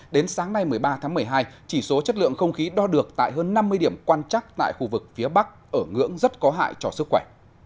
đến sáng nay một mươi ba tháng một mươi hai chỉ số chất lượng không khí đo được tại hơn năm mươi điểm quan trắc tại khu vực phía bắc ở ngưỡng rất có hại cho sức khỏe